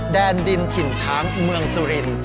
แดนดินถิ่นช้างเมืองสุรินทร์